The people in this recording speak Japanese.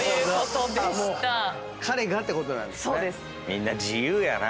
みんな自由やな。